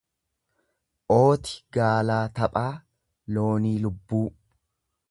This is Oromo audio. Ooti gaalaa taphaa, loonii lubbuu.